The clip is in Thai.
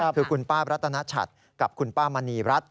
คือคุณป้ารัตนชัดกับคุณป้ามณีรัฐ